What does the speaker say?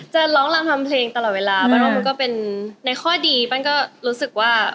จะร้องรำทำเพลงตลอดเวลาปั้นว่ามันก็เป็นในข้อดีแป้นก็รู้สึกว่า